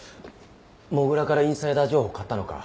土竜からインサイダー情報買ったのか？